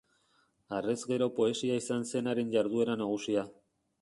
Harrez gero poesia izan zen haren jarduera nagusia.